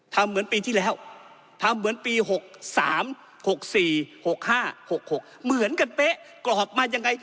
เหมือนปีที่แล้วทำเหมือนปี๖๓๖๔๖๕๖๖เหมือนกันเป๊ะกรอบมายังไง